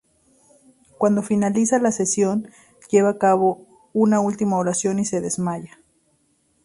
Cuando finaliza la sesión, lleva a cabo una última oración y se desmaya.